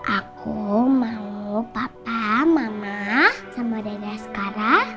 aku mau papa mama sama dada askarah